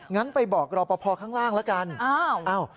ก็ไปบอกรอปภข้างล่างล่ะครับ